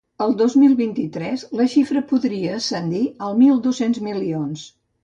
El dos mil vint-i-tres, la xifra podria ascendir als mil dos-cents milions.